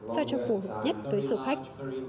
sao cho phù hợp nhất với số khách